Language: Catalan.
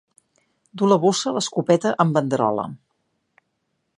Dur la bossa, l'escopeta en bandolera.